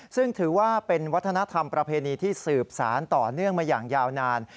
ซึ่งถือว่าเป็นวัฒนธรรมประเพณีที่สืบสารต่อเนื่องมาอย่างยาวนาน